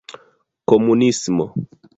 komunismo